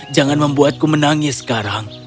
jangan membuatku menangis sekarang